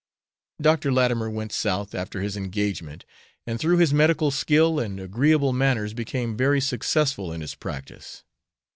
Dr. Latimer went South, after his engagement, and through his medical skill and agreeable manners became very successful in his practice.